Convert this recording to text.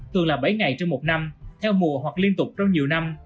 tương là bảy ngày trong một năm theo mùa hoặc liên tục trong nhiều năm